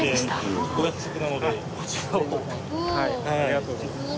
ありがとうございます。